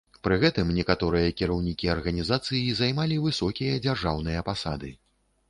Пры гэтым некаторыя кіраўнікі арганізацыі займалі высокія дзяржаўныя пасады.